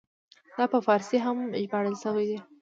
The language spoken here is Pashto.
دا په فارسي هم ژباړل شوی دی.